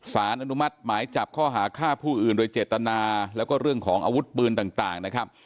สารอนุมัติหมายจับข้อหาฆ่าผู้อื่นโดยเจตนาแล้วก็เรื่องของอาวุธปืนต่างนะครับ